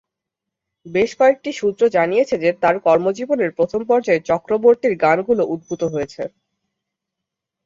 বেশ কয়েকটি সূত্র জানিয়েছে যে, তার কর্মজীবনের প্রথম পর্যায়ে চক্রবর্তীর গানগুলি উদ্ধৃত হয়েছে।